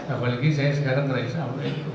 apalagi saya sekarang terakhir sama eko